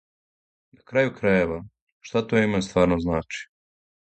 На крају крајева, шта то име стварно значи?